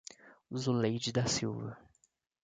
Zuleide da Silva